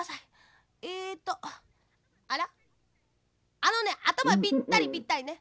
あのねあたまぴったりぴったりね。